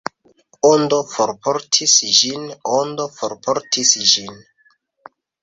Ondo forportis ĝin, Ondo forportis ĝin.